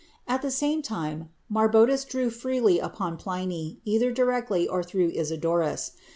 At the same time Marbodus drew freely upon Pliny, either directly or through Isidorus.